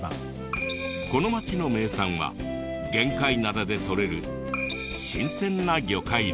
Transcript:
この町の名産は玄界灘でとれる新鮮な魚介類。